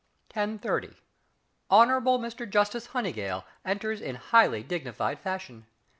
10.30. Hon'ble Mister Justice HONEYGALL enters in highly dignified fashion.